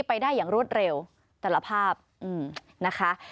ไปได้อย่างรวดเร็วแต่ละภาพนะคะ